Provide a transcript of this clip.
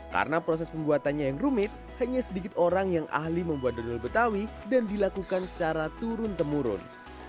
karena proses pembuatannya yang rumit hanya sedikit orang yang ahli membuat dodol betawi dan dilakukan secara turun temurun